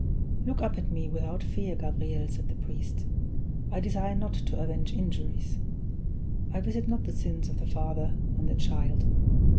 _ "Look up at me without fear, Gabriel," said the priest. "I desire not to avenge injuries: I visit not the sins of the father on the child.